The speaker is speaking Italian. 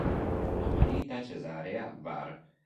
Amanita caesarea var.